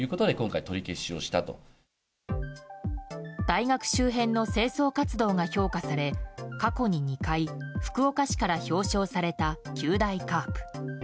大学周辺の清掃活動が評価され過去に２回、福岡市から表彰された九大カープ。